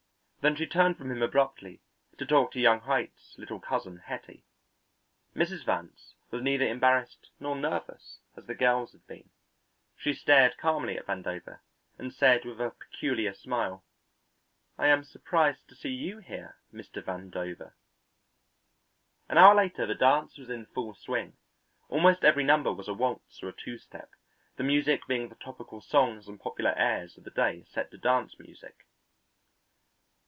Then she turned from him abruptly to talk to young Haight's little cousin Hetty. Mrs. Vance was neither embarrassed nor nervous as the girls had been. She stared calmly at Vandover and said with a peculiar smile, "I am surprised to see you here, Mr. Vandover." An hour later the dance was in full swing. Almost every number was a waltz or a two step, the music being the topical songs and popular airs of the day set to dance music.